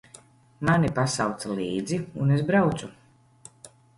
Mani pasauca līdzi, un es braucu.